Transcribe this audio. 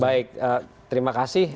baik terima kasih